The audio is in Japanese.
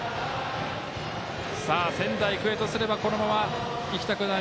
仙台育英とすればこのままいきたくない。